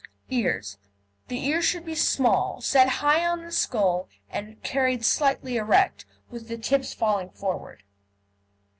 EARS The ears should be small, set high on the skull, and carried slightly erect, with the tips falling forward.